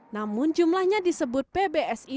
namun jumlahnya disebut pbsi